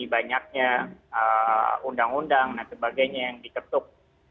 banyaknya undang undang dan sebagainya yang diketuk